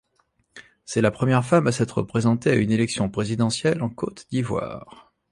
C'est la première femme à s'être présenté à une élection présidentielle en Côte d'Ivoire.